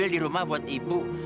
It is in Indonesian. di rumah buat ibu